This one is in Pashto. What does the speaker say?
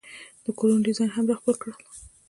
د کورونو ډیزاین یې هم را خپل کړل.